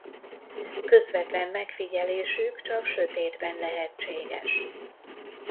Közvetlen megfigyelésük csak sötétben lehetséges.